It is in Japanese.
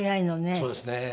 そうですね。